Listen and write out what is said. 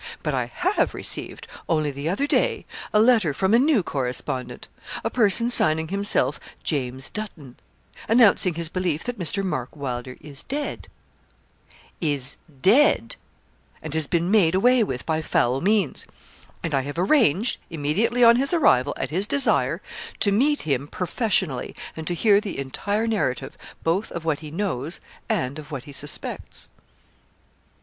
But I have received, only the other day, a letter from a new correspondent a person signing himself James Dutton announcing his belief that Mr. Mark Wylder is dead is dead and has been made away with by foul means; and I have arranged, immediately on his arrival, at his desire, to meet him professionally, and to hear the entire narrative, both of what he knows and of what he suspects.'